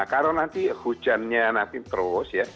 karena nanti hujannya nanti terus ya